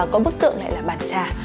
có bức tượng lại là bàn trà